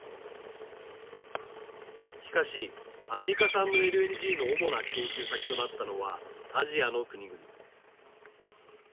しかしアメリカ産のＬＮＧの主な供給先となったのはアジアの国々。